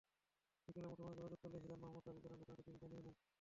বিকেলে মুঠোফোনে যোগাযোগ করলে হিরন মাহমুদ দাবি করেন, ঘটনাটি তিনি জানেনই না।